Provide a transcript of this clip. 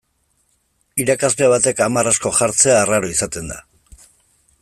Irakasle batek hamar asko jartzea arraro izaten da.